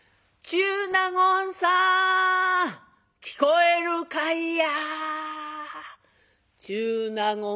「中納言さん聞こえるかいや！」。